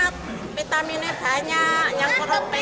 sehat vitaminnya banyak yang teropena